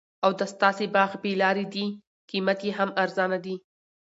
او دا ستاسي باغ بې لاري دي قیمت یې هم ارزانه دي